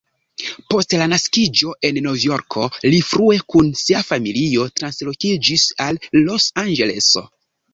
Post la naskiĝo en Novjorko, li frue kun sia familio translokiĝis al Los-Anĝeleso.